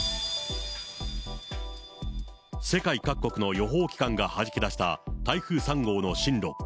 世界各国の予報機関がはじき出した台風３号の進路。